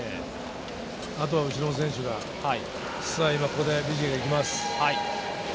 あとは後ろの選手がここでビジエがいきます。